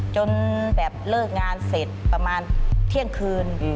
จนแบบเลิกงานเสร็จประมาณเที่ยงคืน